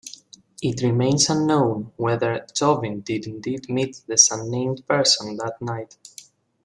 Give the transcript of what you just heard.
It remains unknown whether Jovin did indeed meet this unnamed person that night.